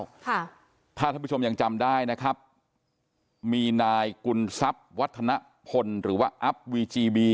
ค่ะถ้าท่านผู้ชมยังจำได้นะครับมีนายกุลทรัพย์วัฒนพลหรือว่าอัพวีจีบี